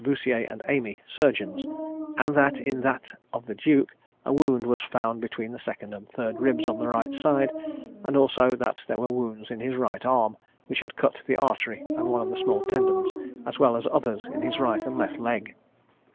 Boussier and Amie, surgeons; and that in that of the duke, a wound was found between the second and third ribs on his right side; and also that there were wounds in his right arm, which had cut the artery and one of the small tendons, as well as others in his right and left leg.